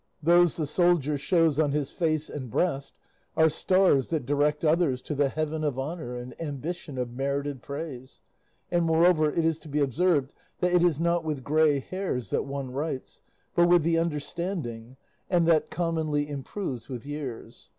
Those the soldier shows on his face and breast are stars that direct others to the heaven of honour and ambition of merited praise; and moreover it is to be observed that it is not with grey hairs that one writes, but with the understanding, and that commonly improves with years.